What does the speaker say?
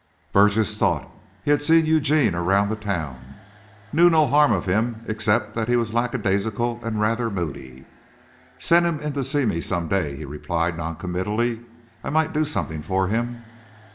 Burgess thought. He had seen Eugene around town, knew no harm of him except that he was lackadaisical and rather moody. "Send him in to see me some day," he replied noncommittally. "I might do something for him."